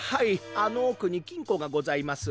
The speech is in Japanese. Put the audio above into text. あのおくにきんこがございます。